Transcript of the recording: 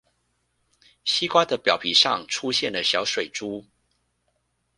西瓜的表皮上出現了小水珠